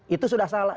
itu sudah salah